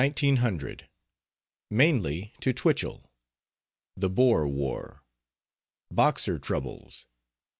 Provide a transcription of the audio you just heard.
LETTERS OF 1900, MAINLY TO TWICHELL. THE BOER WAR. BOXER TROUBLES.